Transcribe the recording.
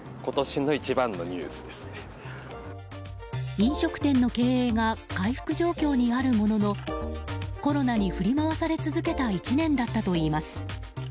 飲食店の経営が回復状況にあるもののコロナに振り回され続けた１年だったといいます。